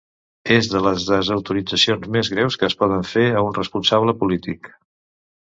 És de les desautoritzacions més greus que es poden fer a un responsable polític.